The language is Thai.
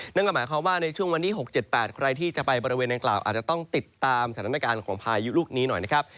นั่นก็หมายความว่าในช่วงวันที่๖๗๘ใครที่จะไปบริเวณนางกล่าวอาจจะต้องติดตามสถานการณ์ของพายุลูกนี้หน่อยนะครับ